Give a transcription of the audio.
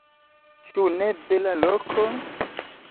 Ĉu ne bela loko?